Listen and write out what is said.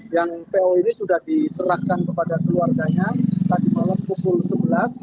yang po ini sudah diserahkan kepada keluarganya tadi malam pukul sebelas